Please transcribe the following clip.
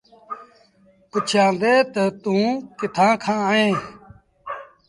پُڇيآندي تا، توٚنٚ ڪِٿآنٚ کآݩ اهينٚ؟